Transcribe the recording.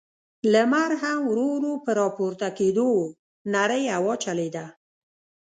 لمر هم ورو، ورو په راپورته کېدو و، نرۍ هوا چلېده.